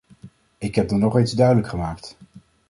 Ik heb dat nog eens duidelijk gemaakt.